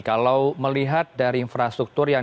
kalau melihat dari infrastruktur yang